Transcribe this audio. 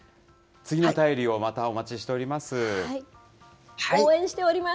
次の便りをまたお待ちしております。